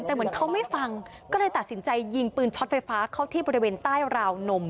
แต่เหมือนเขาไม่ฟังก็เลยตัดสินใจยิงปืนช็อตไฟฟ้าเข้าที่บริเวณใต้ราวนม